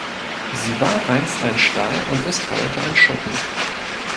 Sie war einst ein Stall und ist heute ein Schuppen.